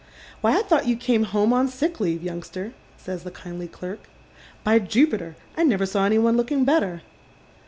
" Why, I thought you came homo on sick leave, youngster," says the kindly clerk. " By Jupiter, I never saw anyone looking better."